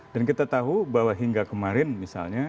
dan kita tahu bahwa hingga kemarin misalnya